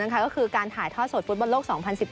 ก็คือการถ่ายทอดสดฟุตบอลโลก๒๐๑๙